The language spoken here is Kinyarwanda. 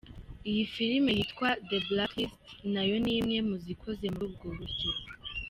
Iyi film yitwa The Blacklist nayo ni imwe mu zikoze muri ubwo buryo.